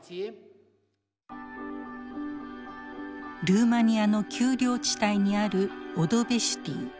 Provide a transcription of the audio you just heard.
ルーマニアの丘陵地帯にあるオドベシュティ。